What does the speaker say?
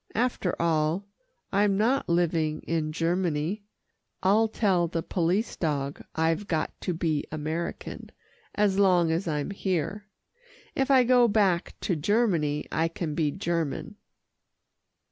"After all, I'm not living in Germany. I'll tell the police dog I've got to be American, as long as I'm here. If I go back to Germany, I can be German."